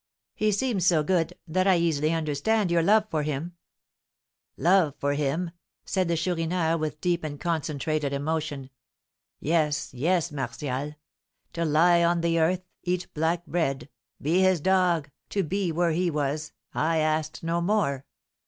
"He seems so good that I easily understand your love for him." "Love for him!" said the Chourineur, with deep and concentrated emotion. "Yes, yes, Martial, to lie on the earth, eat black bread, be his dog, to be where he was, I asked no more.